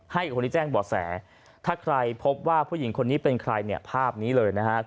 ให้กับคนที่แจ้งบ่อแสถ้าใครพบว่าผู้หญิงคนนี้เป็นใครเนี่ยภาพนี้เลยนะครับ